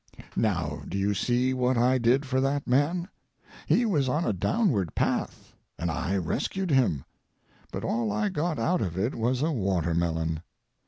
Now, do you see what I did for that man? He was on a downward path, and I rescued him. But all I got out of it was a watermelon.